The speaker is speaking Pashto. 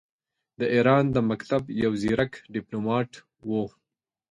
د ایران د مکتب یو ځیرک ډیپلوماټ وو.